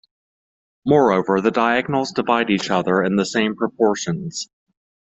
Moreover, the diagonals divide each other in the same proportions.